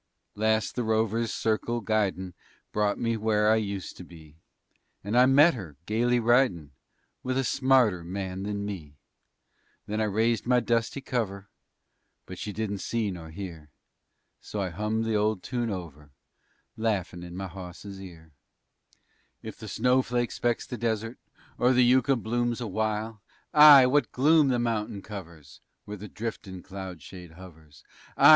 _ Last the rover's circle guidin' Brought me where I used to be, And I met her, gaily ridin' With a smarter man than me. Then I raised my dusty cover But she didn't see nor hear, So I hummed the old tune over, Laughin' in my hawse's ear: If the snowflake specks the desert Or the yucca blooms awhile. Ay! what gloom the mountain covers Where the driftin' cloud shade hovers! _Ay!